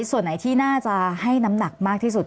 ส่วนไหนที่น่าจะให้น้ำหนักมากที่สุด